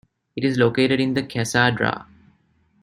It is located in the Casa Dra.